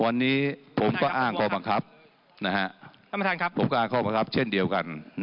วันนี้ผมก็อ้างความมะครับเช่นเดียวกัน